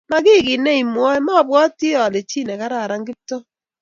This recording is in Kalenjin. mo kiy kiit neimwoe, mobwoti ale chii nekararan Kiptoo